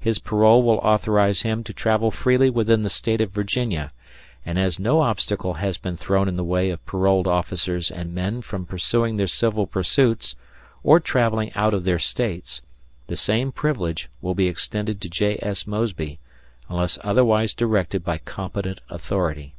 His parole will authorize him to travel freely within the state of Virginia, and as no obstacle has been thrown in the way of paroled officers and men from pursuing their civil pursuits, or traveling out of their States, the same privilege will be extended to J. S. Mosby, unless otherwise directed by competent authority.